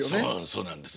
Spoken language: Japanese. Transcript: そうなんです。